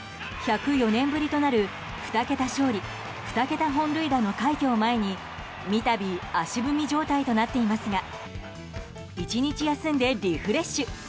１０４年ぶりとなる２桁勝利２桁本塁打の快挙を前に三度足踏み状態となっていますが１日休んでリフレッシュ。